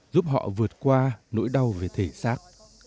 giúp họ vượt qua nỗi đau về thể xác